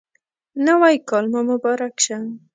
نوی کال مو مبارک شه